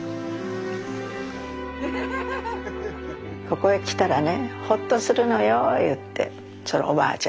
ここへ来たらねほっとするのよ言ってそのおばあちゃんが。